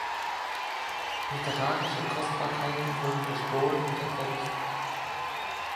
Literarische Kostbarkeiten wurden gestohlen oder vernichtet.